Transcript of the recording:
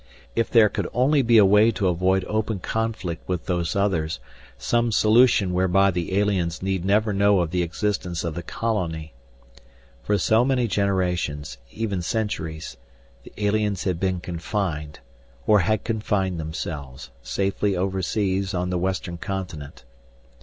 If there could only be a way to avoid open conflict with Those Others, some solution whereby the aliens need never know of the existence of the Colony. For so many generations, even centuries, the aliens had been confined, or had confined themselves, safely overseas on the western continent.